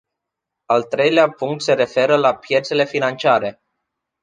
Al treilea punct se referă la piețele financiare.